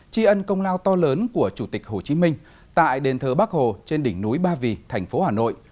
tri ân công lao to lớn của chủ tịch hồ chí minh tại đền thờ bắc hồ trên đỉnh núi ba vì thành phố hà nội